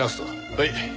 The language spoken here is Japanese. はい。